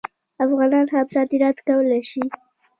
افغانان هم صادرات کولی شي.